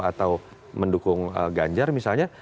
atau mendukung ganjar misalnya